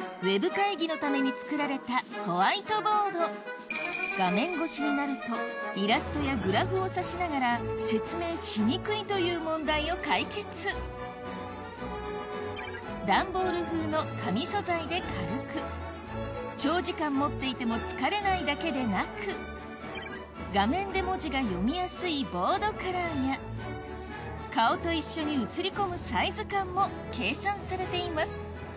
そうこれは画面越しになるとイラストやグラフを指しながら説明しにくいという問題を解決ダンボール風の紙素材で軽く長時間持っていても疲れないだけでなく画面で文字が読みやすいボードカラーや顔と一緒に映り込むサイズ感も計算されています